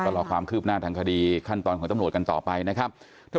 รอความคืบหน้าทางคดีขั้นตอนของตำรวจกันต่อไปนะครับ